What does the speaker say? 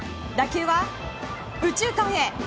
打球は右中間へ。